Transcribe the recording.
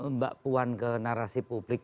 mbak puan ke narasi publik